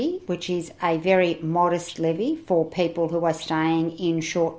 yang sangat modis untuk orang yang tinggal di stays yang kurang